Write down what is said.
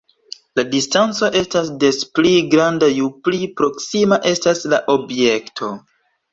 La distanco estas des pli granda ju pli proksima estas la objekto.